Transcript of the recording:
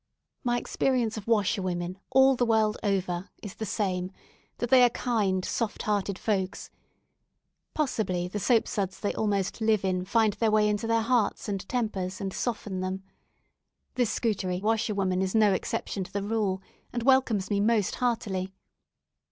My experience of washerwomen, all the world over, is the same that they are kind soft hearted folks. Possibly the soap suds they almost live in find their way into their hearts and tempers, and soften them. This Scutari washerwoman is no exception to the rule, and welcomes me most heartily.